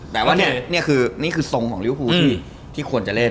แต่ว่านี่คือทรงของลิวภูที่ควรจะเล่น